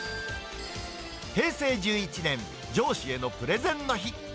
平成１１年、上司へのプレゼンの日。